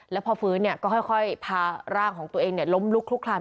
แล้วพอฟื้นก็ค่อยพาร่างของตัวเองล้มลุกลุกคลาม